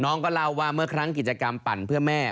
น้องก็เล่าว่าเมื่อครั้งกิจกรรมปั่นเพื่อแม่